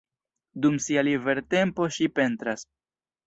Dum sia libertempo ŝi pentras.